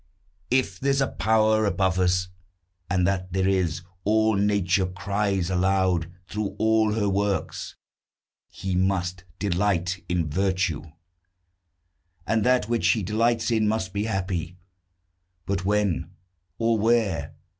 If there's a Power above us (And that there is, all Nature cries aloud Through all her works), he must delight in virtue; And that which he delights in must be happy. But when? or where?